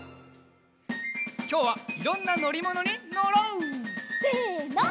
きょうはいろんなのりものにのろう！せの。